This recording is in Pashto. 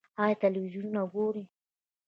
ایا تلویزیون ګورئ؟